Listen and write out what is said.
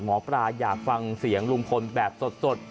หมอปลาอยากฟังเสียงลุงพลแบบสด